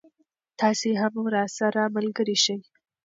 تاسې هم راسره ملګری شئ.